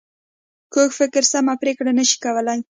کوږ فکر سمه پرېکړه نه شي کولای